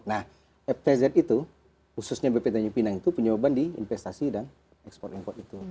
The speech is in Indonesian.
nah ftz itu khususnya bp tanjung pinang itu penyebab di investasi dan ekspor import itu